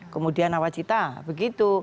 kemudian nawacita begitu